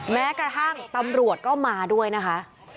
แม้กระทั่งตำรวจก็มาด้วยนะคะ